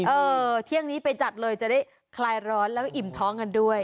เออเที่ยงนี้ไปจัดเลยจะได้คลายร้อนแล้วอิ่มท้องกันด้วย